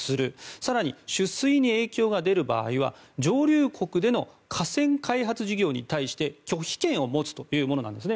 更に取水に影響が出る場合は上流国での河川開発事業に対して拒否権を持つというものなんですね。